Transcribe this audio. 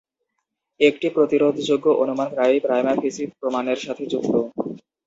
একটি প্রতিরোধযোগ্য অনুমান প্রায়ই "প্রাইমা ফেসি" প্রমাণের সাথে যুক্ত।